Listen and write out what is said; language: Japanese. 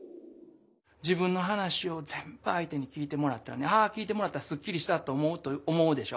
自分の話をぜんぶ相手に聞いてもらったらね「あ聞いてもらったすっきりした」と思うと思うでしょ？